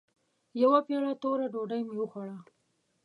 يوه پېړه توره ډوډۍ مې وخوړه.